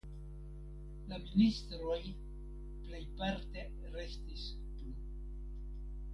La ministroj plejparte restis plu.